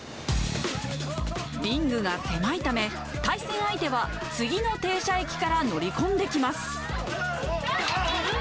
リングが狭いため、対戦相手は次の停車駅から乗り込んできます。